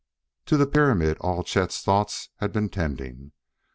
To the pyramid all Chet's thoughts had been tending.